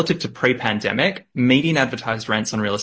itu adalah kembang yang luas